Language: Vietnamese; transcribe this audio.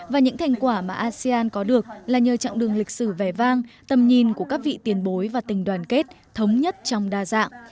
và những thành quả mà asean có được là nhờ chặng đường lịch sử vẻ vang tầm nhìn của các vị tiền bối và tình đoàn kết thống nhất trong đa dạng